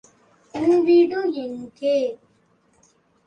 உன் வீடு எங்கே?